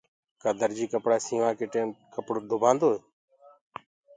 ڪآ درجي ڪپڙآ سينوآ ڪي ٽيم ڪپڙو دُبآندوئي